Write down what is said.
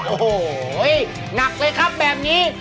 โอ้โหหนักเลยครับแบบนี้